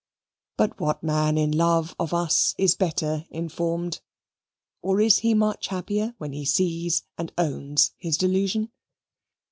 But what man in love, of us, is better informed? or is he much happier when he sees and owns his delusion?